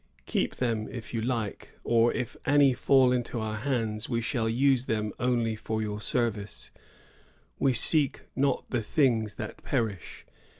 Keep them, if you like; or, if any fall into our hands, we shall use them only for your service. We seek not the things that perish.